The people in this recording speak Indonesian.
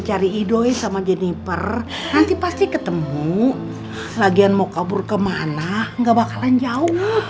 dari ido sama jennifer nanti pasti ketemu lagian mau kabur ke mana nggak bakalan jauh